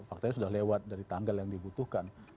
faktanya sudah lewat dari tanggal yang dibutuhkan